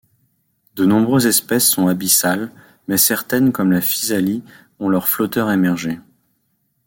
De nombreuses espèces sont abyssales, mais certaines comme la physalie ont leur flotteur émergé.